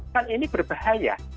kan ini berbahaya